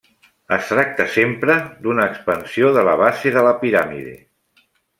Es tracta sempre d'una expansió de la base de la piràmide.